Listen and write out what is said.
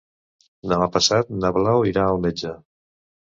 Demà passat na Blau irà al metge.